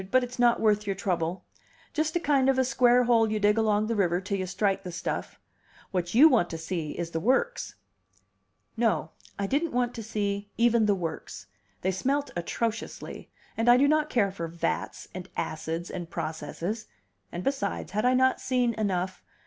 "But it's not worth your trouble. Just a kind of a square hole you dig along the river till you strike the stuff. What you want to see is the works." No, I didn't want to see even the works; they smelt atrociously, and I do not care for vats, and acids, and processes: and besides, had I not seen enough?